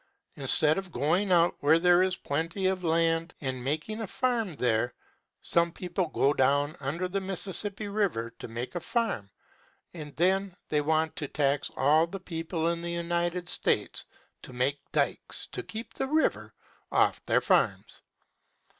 Instead of going out where there is plenty of land and making a farm there, some people go down under the Mississippi River to make a farm, and then they want to tax all the people in the United States to make dikes to keep the river off their farms.